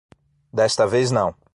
Desta vez não.